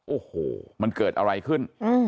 โอ้โหมันเกิดอะไรขึ้น